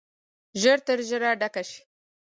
ژر تر ژره ډکه شي.